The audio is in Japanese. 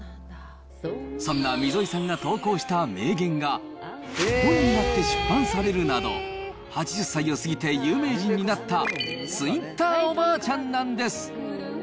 そんな溝井さんが投稿した名言が、本になって出版されるなど、８０歳を過ぎて有名人になったツイッターおばあちゃんなんです。